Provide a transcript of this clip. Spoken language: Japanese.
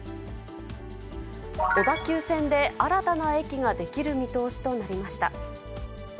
小田急線で新たな駅が出来る見通しとなりました。